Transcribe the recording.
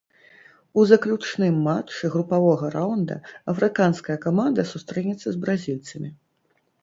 У заключным матчы групавога раўнда афрыканская каманда сустрэнецца з бразільцамі.